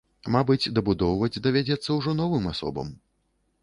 Мабыць, дабудоўваць давядзецца ўжо новым асобам.